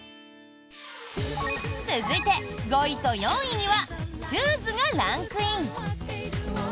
続いて、５位と４位にはシューズがランクイン！